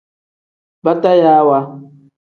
Batayaawa.